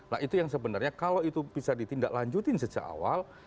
nah itu yang sebenarnya kalau itu bisa ditindaklanjutin sejak awal